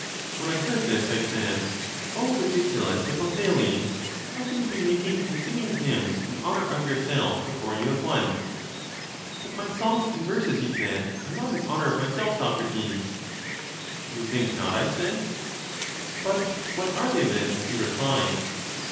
When I heard this, I said: O ridiculous Hippo thales ! how can you be making and singing hymns in honor of yourself before you have won? But my songs and verses, he said, are not in honor of myself, Socrates. You think not, I said. But what are they, then? he replied.